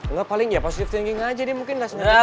nggak paling ya positive thinking aja dia mungkin nggak sengaja